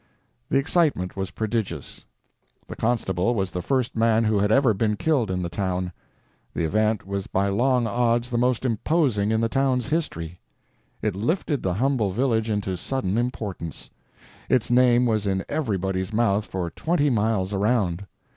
The excitement was prodigious. The constable was the first man who had ever been killed in the town. The event was by long odds the most imposing in the town's history. It lifted the humble village into sudden importance; its name was in everybody's mouth for twenty miles around.